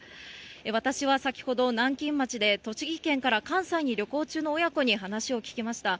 私は先ほど、南京町で栃木県から関西に旅行中の親子に話を聞きました。